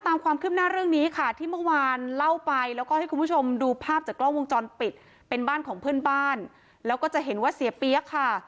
ตามความคืบหน้าเรื่องนี้ค่ะที่เมื่อวานเล่าไปแล้วก็ให้คุณผู้ชมดูภาพจากกล้องวงจรปิดเป็นบ้านของเพื่อนบ้านแล้วก็จะเห็นว่าเสียเปี๊ยกค่ะ